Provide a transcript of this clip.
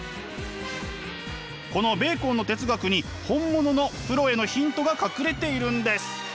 このベーコンの哲学に本物のプロへのヒントが隠れているんです。